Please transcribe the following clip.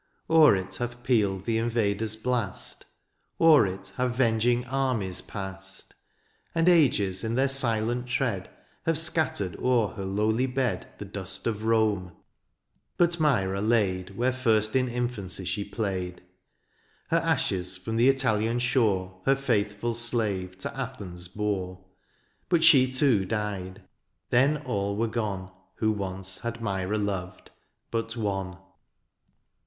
CHer it hath pealed the invader's blast. O'er it have venging armies past ; And ages in their silent tread Have scattered o'er her lowly bed The dust of Rome; — ^but Myra laid Where first in infancy she played ; Her ashes from the Italian shore Her faithful slave to Athens bore ; But she too died — ^then all were gone Who once had Myra loved, but one.